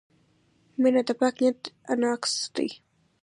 • مینه د پاک نیت انعکاس دی.